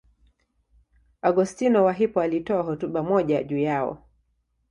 Augustino wa Hippo alitoa hotuba moja juu yao.